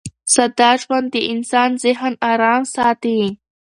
ساده ژوند د انسان ذهن ارام ساتي.